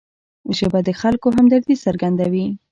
ژبه د خلکو همدردي څرګندوي